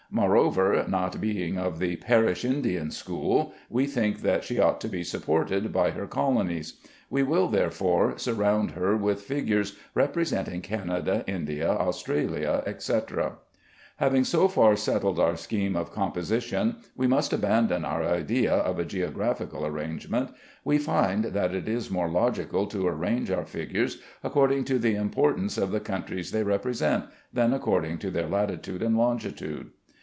Moreover, not being of the "Perish India" school, we think that she ought to be supported by her colonies. We will, therefore, surround her with figures representing Canada, India, Australia, etc. Having so far settled our scheme of composition, we must abandon our idea of a geographical arrangement. We find that it is more logical to arrange our figures according to the importance of the countries they represent, than according to their latitude and longitude.